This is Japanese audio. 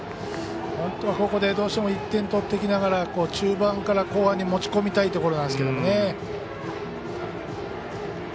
本当はここでどうしても１点取っておきながら中盤から後半に持ち込みたいところですけどね。